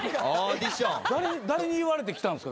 誰に言われて来たんすか？